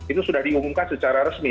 itu sudah diumumkan secara resmi